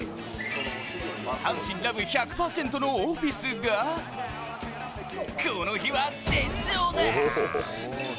阪神ラブ１００％のオフィスがこの日は戦場だ！